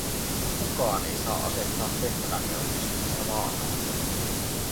Kukaan ei saa asettaa tehtävämme onnistumista vaaraan.